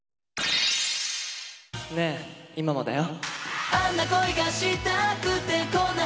ねえ、今もだよ。